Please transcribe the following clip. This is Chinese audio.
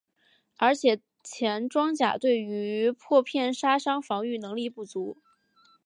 而且前装甲对于破片杀伤防御能力不足。